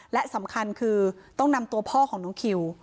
และสำคัญคือต้องนำตัวพ่อของน้องคิว